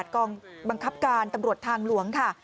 กองบังคับการตำรวจทางหลวงค่ะ